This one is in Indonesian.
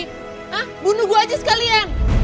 ah bunuh gue aja sekalian